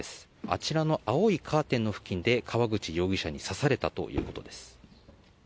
あちらの青いカーテンの付近で川口容疑者に刺されたということです。